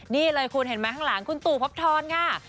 นี่เลยคุณเห็นไหมข้างหลังคุณตู่พบทรค่ะ